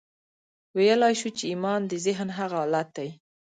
ويلای شو چې ايمان د ذهن هغه حالت دی.